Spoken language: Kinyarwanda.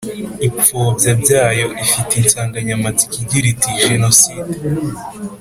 ipfobya byayo ifite insanganyamatsiko igira iti Genocide